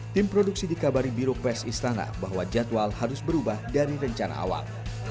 tim produksi dikabari biro pes istana bahwa jadwal harus berubah dari rencana awal